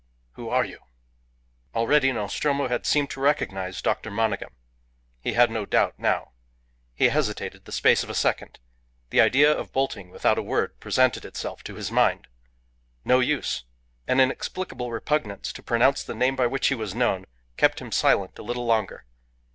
"Who are you?" Already Nostromo had seemed to recognize Dr. Monygham. He had no doubt now. He hesitated the space of a second. The idea of bolting without a word presented itself to his mind. No use! An inexplicable repugnance to pronounce the name by which he was known kept him silent a little longer.